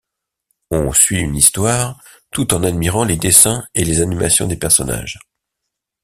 On suit une histoire, tout en admirant les dessins et les animations des personnages.